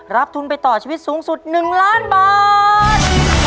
ทุนไปต่อชีวิตสูงสุด๑ล้านบาท